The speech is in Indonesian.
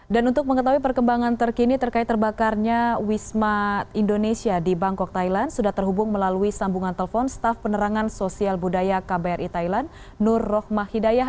dan untuk mengetahui perkembangan terkini terkait terbakarnya wisma indonesia di bangkok thailand sudah terhubung melalui sambungan telepon staff penerangan sosial budaya kbri thailand nur rohmahidayah